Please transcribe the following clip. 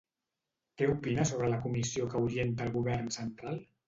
Què opina sobre la comissió que orienta el govern central?